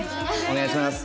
お願いします。